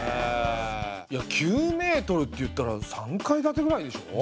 ９メートルっていったら３階建てぐらいでしょ？